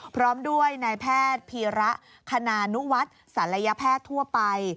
พร้อมด้วยนายแพทย์พีระคณานุวัฒน์ศัลยแพทย์ทั่วไป